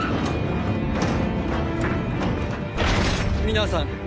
皆さん！